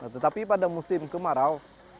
tetapi pada musim kemarau